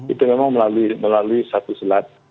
itu memang melalui satu selat